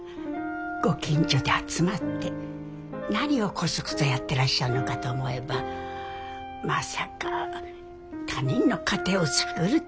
ご近所で集まって何をコソコソやってらっしゃるのかと思えばまさか他人の家庭を探るためだったとは。